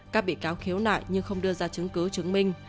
các bị cáo khiếu nại nhưng không đưa ra chứng cứ chứng minh